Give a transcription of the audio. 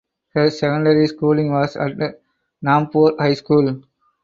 Her secondary schooling was at Nambour High School.